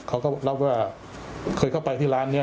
เขาก็รับว่าเคยเข้าไปที่ร้านนี้